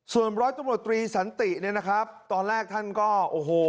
ส่วนบริษัทธรปฏรฐิสันติตอนแรกท่านก็โอโห